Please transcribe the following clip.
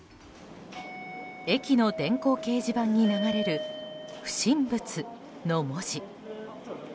駅の電光掲示板に流れる「不審物」の文字。